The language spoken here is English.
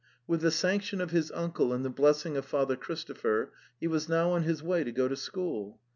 With the sanction of his uncle and the blessing of Father Christopher, he was now on his way to go to school.